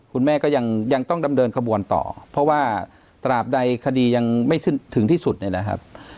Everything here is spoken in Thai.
คุณแม่ก็ยังต้องดำเนินขบวนต่อเพราะว่าตราบใดคดียังไม่สิ้นถึงที่สุดนี่แหละครับ